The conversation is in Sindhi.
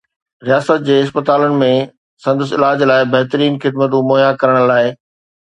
رياست جي اسپتالن ۾ سندس علاج لاء بهترين خدمتون مهيا ڪرڻ لاء